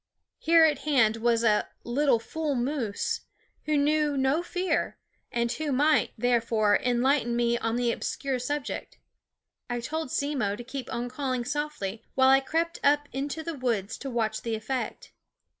Here at hand was a " HI fool moose," who knew no fear, and who might, therefore, enlighten me on the obscure subject. I told Simmo to keep on calling softly, while I crept up into the woods to watch the effect.